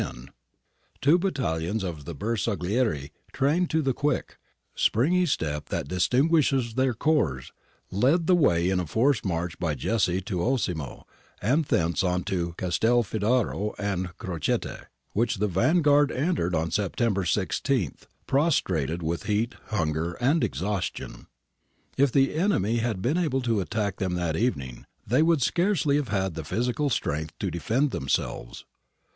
220 GARIBALDI AND THE MAKING OF ITALY Two battalions of the Bersaglieri, trained to the quick, springy step that distinguishes their corps, led the way in a forced march by Jesi to Osimo and thence on to Castelfidardo and Crocette, which the vanguard entered on September i6, prostrated with heat, hunger, and ex haustion. If the enemy had been able to attack them that evening, they would scarcely have had the physical strength to defend themselves.